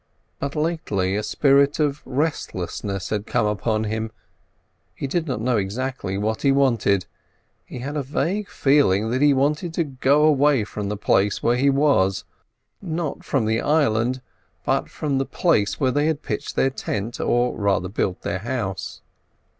But lately a spirit of restlessness had come upon him; he did not know exactly what he wanted. He had a vague feeling that he wanted to go away from the place where he was; not from the island, but from the place where they had pitched their tent, or rather built their house.